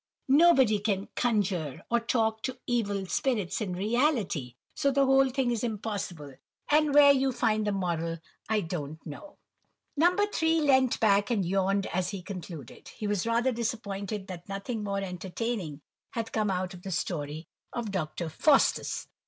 Nobody can conjure, or talk to evil spirits in reality, so the whole thing is impossible; and where you find the moral, I don't know." No. 3 leant back and yawned as he concluded. He was rather disappointed that nothing more entertaining had come out of the story of Dr. Faustus.